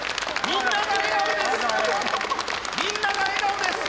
みんなが笑顔です！